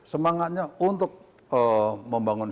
semangatnya untuk membangun